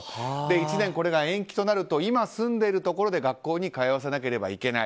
１年これが延期となると今住んでいるところで学校に通わせなければならない。